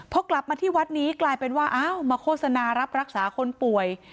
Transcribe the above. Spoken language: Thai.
พอกลับมาที่วัดนี้กลายเป็นว่าอ้าวมาโฆษณารับรักษาคนป่วย